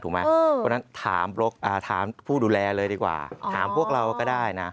เพราะฉะนั้นถามผู้ดูแลเลยดีกว่าถามพวกเราก็ได้นะ